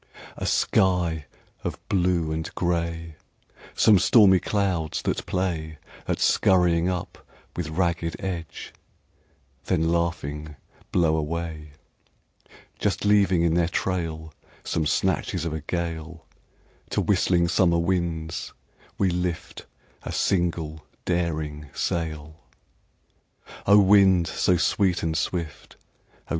A sky of blue and grey; Some stormy clouds that play At scurrying up with ragged edge, then laughing blow away, Just leaving in their trail Some snatches of a gale; To whistling summer winds we lift a single daring sail. O! wind so sweet and swift, O!